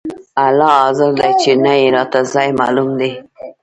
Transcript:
الله حاضر دى چې نه يې راته ځاى معلوم دى.